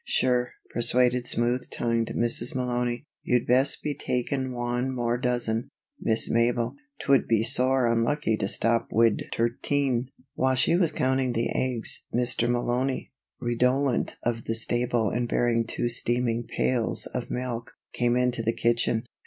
"Sure," persuaded smooth tongued Mrs. Malony, "you'd best be takin' wan more dozen, Miss Mabel. 'Twould be sore unlucky to stop wid t'irteen." While she was counting the eggs, Mr. Malony, redolent of the stable and bearing two steaming pails of milk, came into the kitchen.